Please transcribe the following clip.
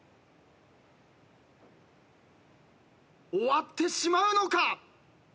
終わってしまうのか？